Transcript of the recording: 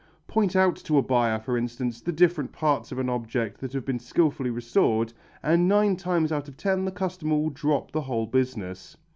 Point out to a buyer, for instance, the different parts of an object that have been skilfully restored, and nine times out of ten the customer will drop the whole business.